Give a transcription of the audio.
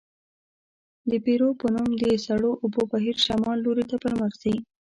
د پیرو په نوم د سړو اوبو بهیر شمال لورته پرمخ ځي.